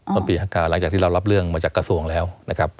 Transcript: เมื่อปี๕๙หลังจากที่เรารับเรื่องมาจากกระทรวงแล้วนะครับ